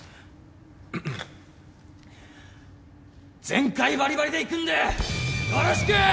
全開バリバリでいくんでよろしくー！